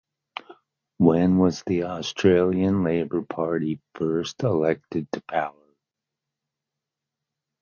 When was The Australian Labor Party first elected to power?